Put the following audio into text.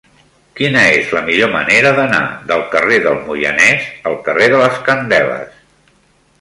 Quina és la millor manera d'anar del carrer del Moianès al carrer de les Candeles?